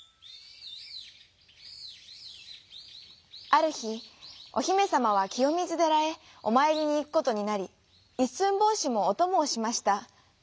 あるひおひめさまはきよみずでらへおまいりにいくことになりいっすんぼうしもおともをしました。